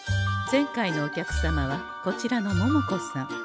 前回のお客様はこちらの桃子さん。